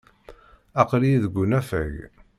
Aql-iyi deg unafag.